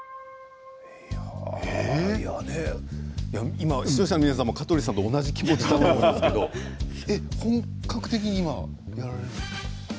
今、視聴者の皆さんも香取さんと同じ気持ちだと思いますけど本格的に今やられて。